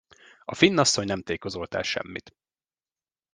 A finn asszony nem tékozolt el semmit.